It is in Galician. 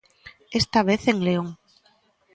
Esta vez en León.